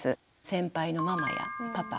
先輩のママやパパ